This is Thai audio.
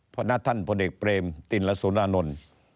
พระณท่านพลเอกเปรมติลสุรานนท์